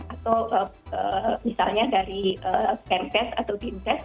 atau misalnya dari campus atau di infest